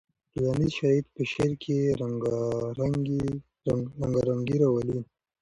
ټولنیز شرایط په شعر کې رنګارنګي راولي.